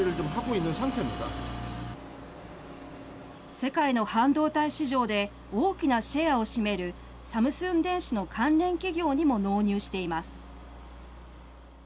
世界の半導体市場で大きなシェアを占めるサムスン電子の関連企業にも納入しています。